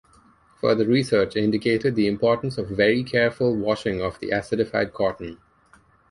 Further research indicated the importance of very careful washing of the acidified cotton.